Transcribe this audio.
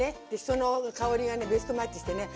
その香りがねベストマッチしてね。